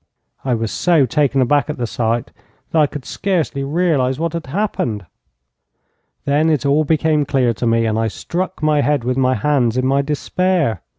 I was so taken aback at the sight, that I could scarcely realize what had happened. Then it all became clear to me, and I struck my head with my hands in my despair.